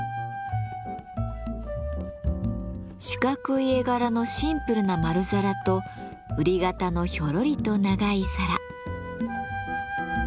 四角い絵柄のシンプルな丸皿とうり形のひょろりと長い皿。